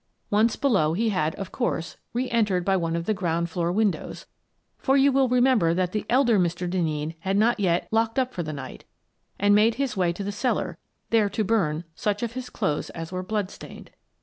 Once below he had, of course, reentered by one of the ground floor windows — for you will remember that the elder Mr. Denneen had not yet " locked up for the night "— and made his way to the cellar, there to burn such of his clothes as were blood stained.